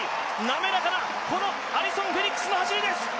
なめらかなこのアリソン・フェリックスの走りです。